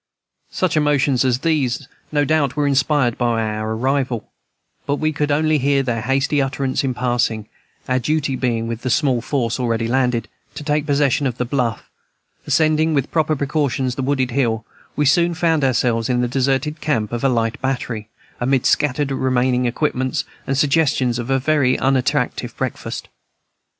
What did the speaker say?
Such emotions as these, no doubt, were inspired by our arrival, but we could only hear their hasty utterance in passing; our duty being, with the small force already landed, to take possession of the bluff. Ascending, with proper precautions, the wooded hill, we soon found ourselves in the deserted camp of a light battery, amid scattered equipments and suggestions of a very unattractive breakfast.